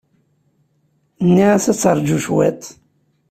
Nniɣ-as ad teṛju cwiṭ.